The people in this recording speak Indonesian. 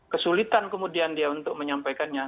kesulitan kemudian dia untuk menyampaikannya